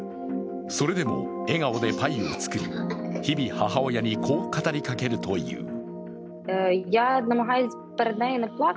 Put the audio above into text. それでも笑顔でパイを作り、日々、母親にこう語りかけるという。